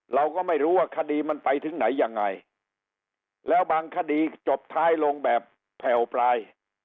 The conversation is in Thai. เราก็ไม่รู้ว่าคดีมันไปถึงไหนยังไงแล้วบางคดีจบท้ายลงแบบแผ่วปลาย